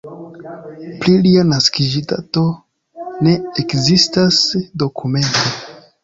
Pri lia naskiĝdato ne ekzistas dokumento.